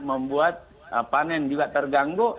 membuat panen juga terganggu